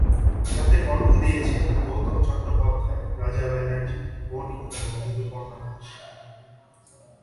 যাতে কন্ঠ দিয়েছেন, গৌতম চট্টোপাধ্যায়, রাজা ব্যানার্জী, বনি এবং ঋতুপর্ণা দাশ।